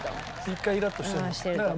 １回イラッとしてるのか。